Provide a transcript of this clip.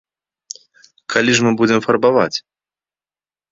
Калі ж мы будзем фарбаваць?